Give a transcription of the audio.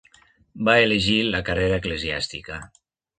Va elegir la carrera eclesiàstica.